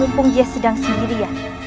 rumpung dia sedang sendirian